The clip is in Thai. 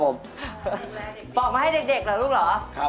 ป้องมาให้เด็กแหละลูกหรือ